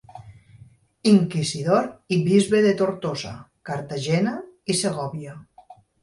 Inquisidor i bisbe de Tortosa, Cartagena i Segòvia.